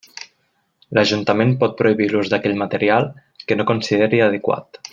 L'Ajuntament pot prohibir l'ús d'aquell material que no consideri adequat.